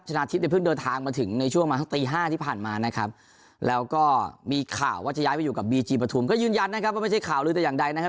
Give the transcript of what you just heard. ชนะทิพย์เนี่ยเพิ่งเดินทางมาถึงในช่วงมาสักตี๕ที่ผ่านมานะครับแล้วก็มีข่าวว่าจะย้ายไปอยู่กับบีจีปฐุมก็ยืนยันนะครับว่าไม่ใช่ข่าวลือแต่อย่างใดนะครับ